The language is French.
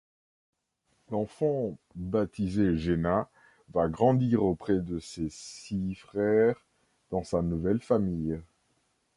L'enfant, baptisée Jenna, va grandir auprès de ses six frères, dans sa nouvelle famille.